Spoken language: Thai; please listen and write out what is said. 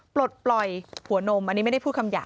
ปลดปล่อยหัวนมอันนี้ไม่ได้พูดคำหยาบ